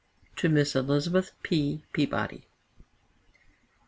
TO MISS ELIZABETH P. PEABODY.